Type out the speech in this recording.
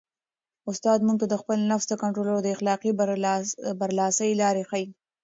استاد موږ ته د خپل نفس د کنټرول او د اخلاقي برلاسۍ لارې ښيي.